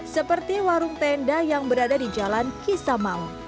seperti warung tenda yang berada di jalan kisamau